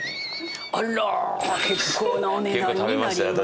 あら結構なお値段になりました。